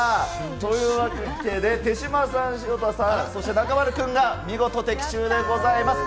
というわけで、手嶋さん、潮田さん、そして中丸君が、見事的中でございます。